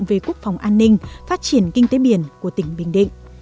về quốc phòng an ninh phát triển kinh tế biển của tỉnh bình định